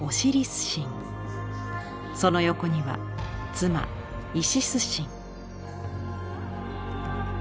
その横には妻イシス神。